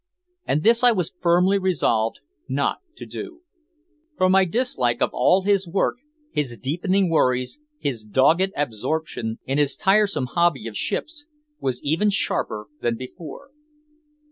And this I was firmly resolved not to do. For my dislike of all his work, his deepening worries, his dogged absorption in his tiresome hobby of ships, was even sharper than before.